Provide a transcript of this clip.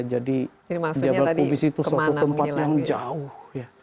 jadi jabal kubis itu suatu tempat yang jauh